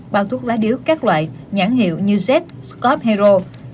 bao thuốc lá điếu các loại nhãn hiệu như z scot hero